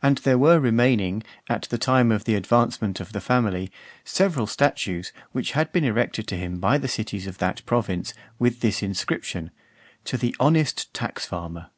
And there were remaining, at the time of the advancement of the family, several statues, which had been erected to him by the cities of that province, with this inscription: "To the honest Tax farmer."